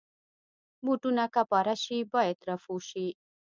بوټونه که پاره شي، باید رفو شي.